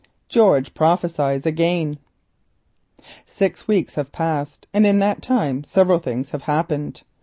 GEORGE PROPHESIES AGAIN Six weeks passed, and in that time several things happened.